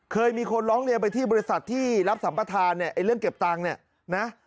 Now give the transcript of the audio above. เคยมีคนร้องเรียนไปที่บริษัทที่รับสัมปัติธรรมเรื่องเก็บตังค์เนี่ย